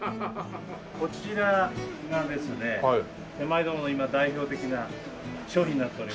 こちらがですね手前どもの今代表的な商品になっております。